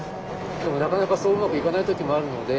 でもなかなかそううまくいかない時もあるので。